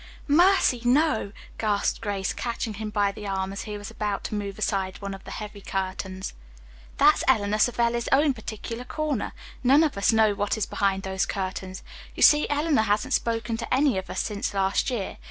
"Mercy, no," gasped Grace, catching him by the arm as he was about to move aside one of the heavy curtains. "That's Eleanor Savelli's own particular corner. None of us know what is behind those curtains. You see, Eleanor hasn't spoken to any of us since last year.